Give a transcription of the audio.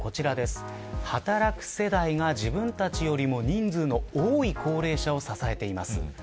働く世代が自分たちよりも人数の多い高齢者を支えています。